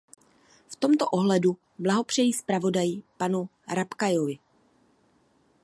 V tomto ohledu blahopřeji zpravodaji, panu Rapkayovi.